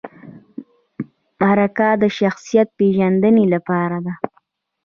مرکه د شخصیت پیژندنې لپاره ده